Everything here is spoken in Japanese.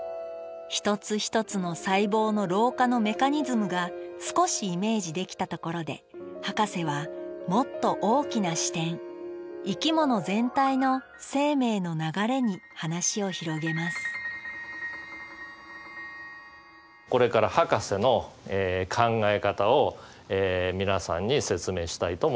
一つ一つの細胞の老化のメカニズムが少しイメージできたところでハカセはもっと大きな視点生き物全体の生命の流れに話を広げますこれからハカセの考え方を皆さんに説明したいと思います。